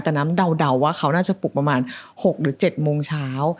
แต่น้ำเดาว่าเขาน่าจะปลุกประมาณ๖หรือ๗โมงเช้า